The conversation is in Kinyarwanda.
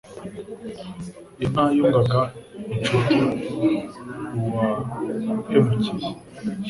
Inka yungaga inshuti uwa hemukiye